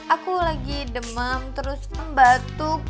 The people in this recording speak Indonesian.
aku lagi demam terus batuk